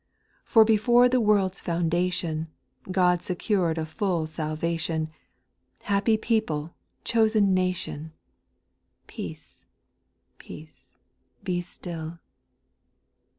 For before the world's foundation, God secured a full salvation, — Happy people, chosen nation I Peace, peace, be still.